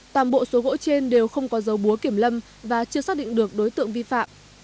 toàn bộ số gỗ trên đều không có dấu búa kiểm lâm và chưa xác định được đối tượng vi phạm